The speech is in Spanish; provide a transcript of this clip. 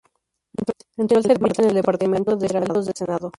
Entró al servicio en el departamento de heraldos del Senado.